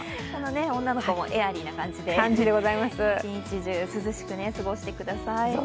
女の子もエアリーな感じで一日中涼しく過ごしてください。